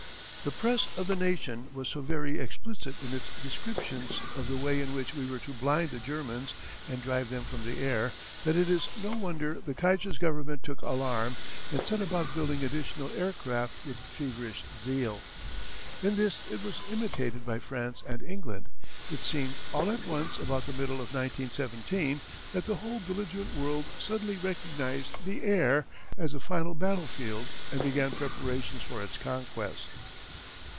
The press of the nation was so very explicit in its descriptions of the way in which we were to blind the Germans and drive them from the air that it is no wonder the Kaiser's government took alarm, and set about building additional aircraft with feverish zeal. In this it was imitated by France and England. It seemed, all at once about the middle of 1917, that the whole belligerent world suddenly recognized the air as the final battlefield and began preparations for its conquest.